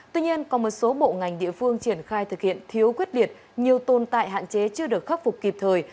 tuy nhiên có một số bộ ngành địa phương triển khai thực hiện thiếu quyết liệt nhiều tồn tại hạn chế chưa được khắc phục kịp thời